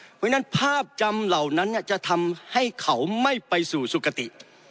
เพราะฉะนั้นภาพจำเหล่านั้นจะทำให้เขาไม่ไปสู่สุขติ